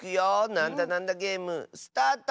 「なんだなんだゲーム」スタート！